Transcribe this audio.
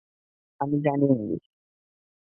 আমি Johnny English.